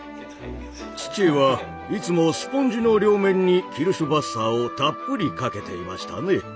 父はいつもスポンジの両面にキルシュヴァッサーをたっぷりかけていましたね。